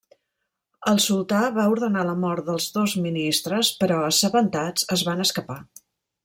El sultà va ordenar la mort dels dos ministres però assabentats es van escapar.